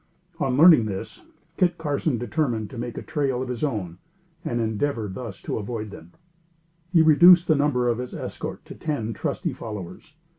On learning this, Kit Carson determined to make a trail of his own, and endeavor thus to avoid them. He reduced the number of his escort to ten trusty followers.